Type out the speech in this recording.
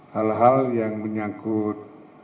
hal hal yang menyangkut